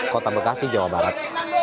kota bekasi jawa barat